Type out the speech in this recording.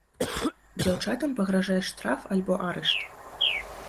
Дзяўчатам пагражае штраф альбо арышт.